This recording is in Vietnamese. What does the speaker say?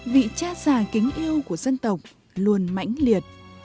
vị cha già kính yêu của dân tộc luôn mãnh liệt